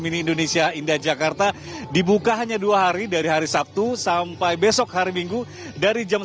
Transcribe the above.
mini indonesia indah jakarta dibuka hanya dua hari dari hari sabtu sampai besok hari minggu dari jam